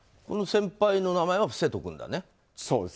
この先輩の名前は伏せておくんだね。